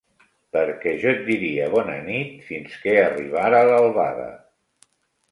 ...perquè jo et diria bona nit fins que arribara l'albada.